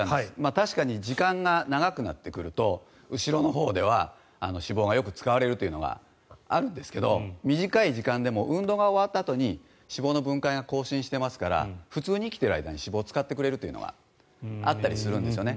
確かに時間が長くなってくると後ろのほうでは脂肪がよく使われるというのがあるんですけど短い時間でも運動が終わったあとに脂肪の分解が更新していますから普通に生きている間に脂肪を使ってくれるのはあるんですね。